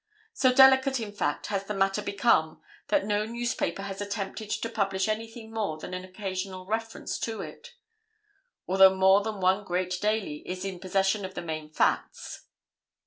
So delicate in fact has the matter become that no newspaper has attempted to publish anything more than an occasional reference to it; although more than one great daily is in possession of the main facts.